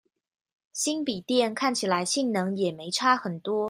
新筆電看起來性能也沒差很多